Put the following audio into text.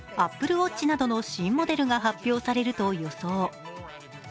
ＡｐｐｌｅＷａｔｃｈなどの新モデルが発表されると予想。